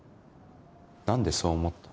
何でそう思った？